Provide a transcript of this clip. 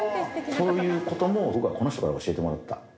そういうことも、僕はこの人から教えてもらった。